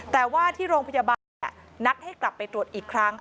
แต่ว่าที่โรงพยาบาลนัดให้กลับไปตรวจอีกครั้ง